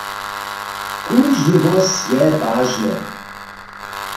Kóždy hłós je wažny.